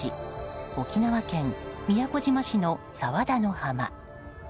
沖縄県宮古島市の佐和田の浜。